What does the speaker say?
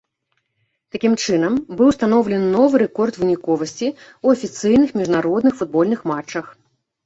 Такім чынам быў устаноўлены новы рэкорд выніковасці ў афіцыйных міжнародных футбольных матчах.